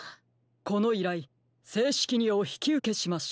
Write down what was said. このいらいせいしきにおひきうけしましょう。